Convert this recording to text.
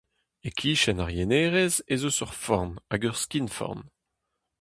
E-kichen ar yenerez ez eus ur forn hag ur skinforn.